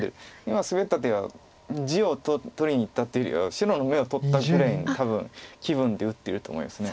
今スベった手は地を取りにいったというよりは白の眼を取ったぐらいの多分気分で打ってると思います。